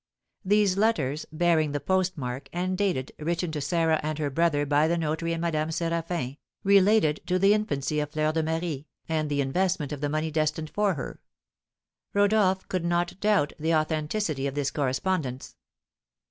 These letters, bearing the postmark, and dated, written to Sarah and her brother by the notary and Madame Séraphin, related to the infancy of Fleur de Marie, and the investment of the money destined for her. Rodolph could not doubt the authenticity of this correspondence.